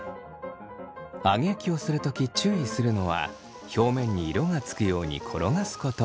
揚げ焼きをする時注意するのは表面に色がつくように転がすこと。